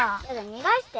逃がして。